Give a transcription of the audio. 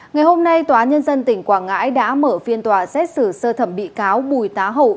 ngày hôm nay tòa nhân dân tỉnh quảng ngãi đã mở phiên tòa xét xử sơ thẩm bị cáo bùi tá hậu